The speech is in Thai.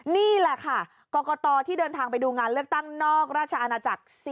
นี่แหละค่ะกรกตที่เดินทางไปดูงานเลือกตั้งนอกราชอาณาจักร๔